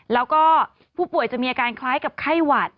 แล้วก็ผู้ป่วยจะมีอาการคล้ายกับไข้หวัด